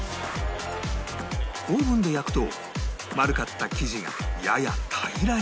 オーブンで焼くと丸かった生地がやや平らに